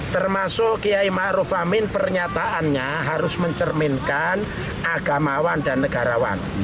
termasuk kiai ⁇ maruf ⁇ amin pernyataannya harus mencerminkan agamawan dan negarawan